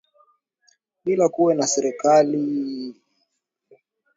bidi kuwe na serikali ya umoja ambayo inahakikisha katika viama vyote vinakuwa included